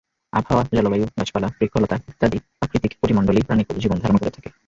আবহাওয়া, জলবায়ু, গাছপালা, বৃক্ষলতা ইত্যাদি প্রাকৃতিক পরিমণ্ডলেই প্রাণিকুল জীবন ধারণ করে থাকে।